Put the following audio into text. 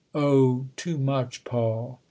" Oh, too much, Paul !